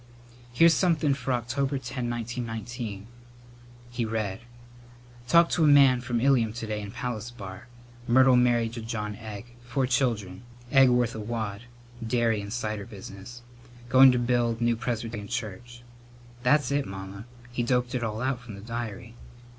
"Here's somethin' for October 10, 1919." He read: "'Talked to a man from Ilium to day in Palace Bar. Myrtle married to John Egg. Four children. Egg worth a wad. Dairy and cider business. Going to build new Presbyterian church.' That's it, Mamma. He doped it all out from the diary."